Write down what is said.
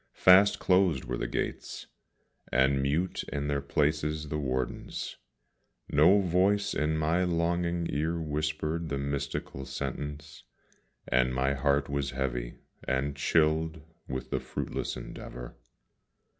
Fast closed were the gates, and mute in their places the wardens; No voice in my longing ear whispered the mystical sentence, And my heart was heavy, and chilled with the fruitless endeavour.